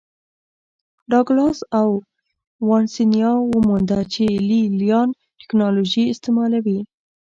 ډاګلاس او وانسینا ومونده چې لې لیان ټکنالوژي استعملوي